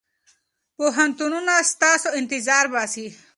پوهنتونونه ستاسو انتظار باسي.